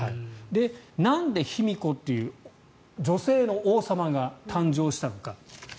なんで卑弥呼という女性の王様が誕生したのか。